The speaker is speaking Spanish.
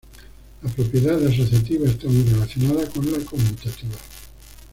La propiedad asociativa está muy relacionada con la conmutativa.